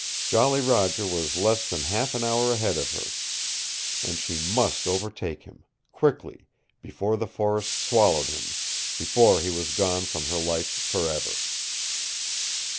Jolly Roger was less than half an hour ahead of her. And she must overtake him quickly before the forests swallowed him, before he was gone from her life forever.